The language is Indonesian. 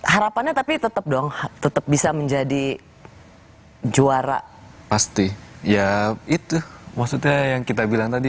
harapannya tapi tetap dong tetap bisa menjadi juara pasti ya itu maksudnya yang kita bilang tadi